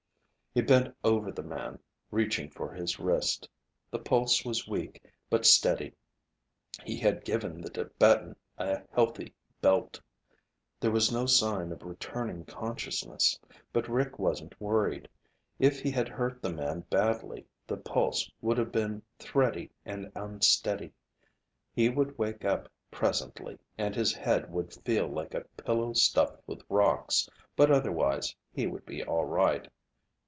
He bent over the man, reaching for his wrist. The pulse was weak but steady. He had given the Tibetan a healthy belt. There was no sign of returning consciousness. But Rick wasn't worried. If he had hurt the man badly, the pulse would have been thready and unsteady. He would wake up presently, and his head would feel like a pillow stuffed with rocks, but otherwise he would be all right.